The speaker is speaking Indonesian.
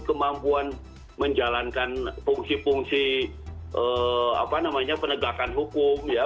kemampuan menjalankan fungsi fungsi apa namanya penegakan hukum ya